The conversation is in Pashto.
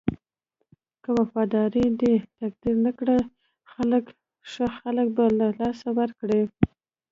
که وفادار دې تقدير نه کړل ښه خلک به له لاسه ورکړې.